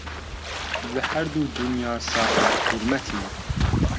لە هەردوو دونیا ساحێب حورمەتی